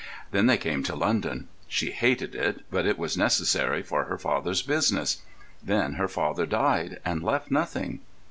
Then they came to London. She hated it, but it was necessary for her father's business. Then her father died, and left nothing.